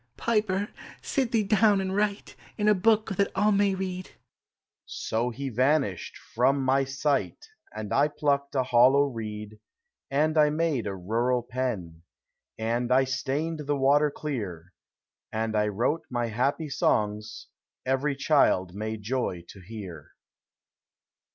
" Piper, sit thee down and write In a book that all may read " So he vanished from my sight; And I plucked a hollow reed, And I made a rural pen. And I stained the water clear, And I wrote my happy songs Every child may joy to hear.